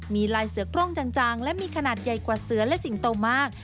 มีลายเสือกล้องจางและมีขนาดใหญ่กว่าเสือและสิงโตมาก